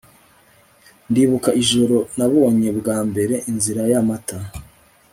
Ndibuka ijoro nabonye bwa mbere Inzira yAmata